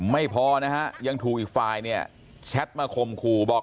ไม่พอนะฮะยังถูกอีก๕แชทมาคมครูบอก